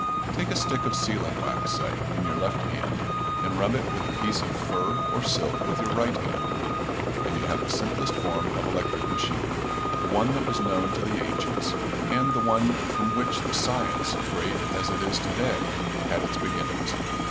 Take a stick of sealing wax, say, in your left hand, and rub it with a piece of fur or silk with your right hand, and you have the simplest form of electric machine the one that was known to the ancients, and the one from which the science, great as it is to day, had its beginnings.